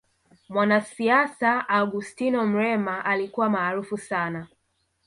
mwanasiasa augustino mrema alikuwa maarufu sana